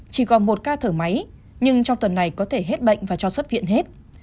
chỉ còn một ca thở máy nhưng trong tuần này có thể hết bệnh và cho xuất viện hết